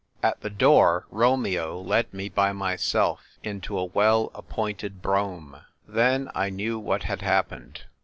At the door Romeo led me by myself into a well appointed brougham. Then I knew what had happened.